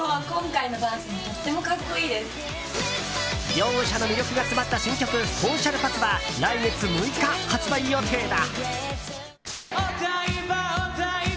両者の魅力が詰まった新曲「ＳｏｃｉａｌＰａｔｈ」は来月６日、発売予定だ。